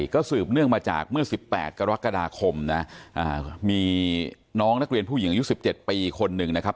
ก็สืบเนื่องมาจากเมื่อ๑๘กรกฎาคมนะมีน้องนักเรียนผู้หญิงอายุ๑๗ปีคนหนึ่งนะครับ